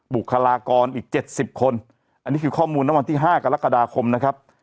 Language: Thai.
บุคลากรอีก๗๐คนอันนี้คือข้อมูลในวันที่๕กรกฎาคมนะครับ